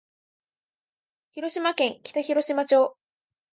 広島県北広島町